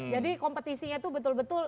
jadi kompetisinya itu betul betul